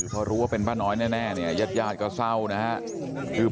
พอรู้ว่าเป็นพ่อน๋อยแน่นแน่นะเย็ดก็เศร้านะฮะ